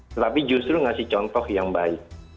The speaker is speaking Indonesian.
tetapi justru ngasih contoh yang baik